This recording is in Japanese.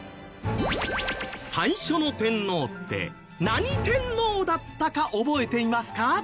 最初の天皇って何天皇だったか覚えていますか？